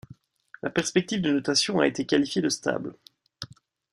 La perspective de notation a été qualifiée de stable.